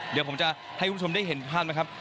เดี๋ยวผมจะให้คุณผู้ชมได้เห็นภาพไหมครับ